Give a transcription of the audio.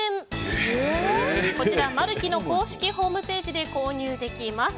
こちらはマルキの公式ホームページで購入できます。